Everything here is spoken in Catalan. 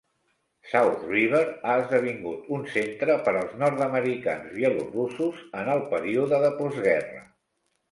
South River ha esdevingut un centre per als nord-americans bielorussos en el període de postguerra.